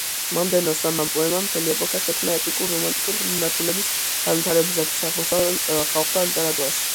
მომდევნო სამმა პოემამ მთელი ეპოქა შექმნა ეპიკურ–რომანტიკული მიმართულების განვითარებისათვის აღმოსავლელ ხალხთა ლიტერატურაში.